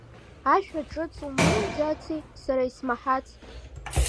Ашәа ҿыц умыҩӡаци, сара исмаҳац?